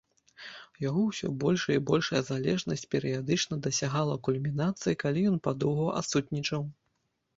Яго ўсё большая і большая залежнасць перыядычна дасягала кульмінацыі, калі ён падоўгу адсутнічаў.